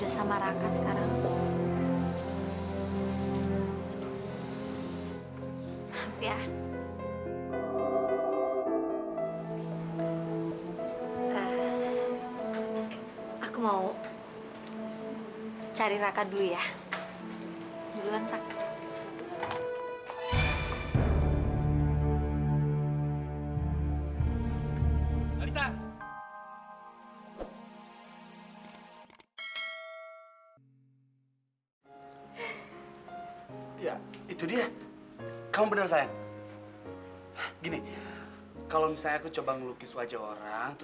sampai jumpa di video selanjutnya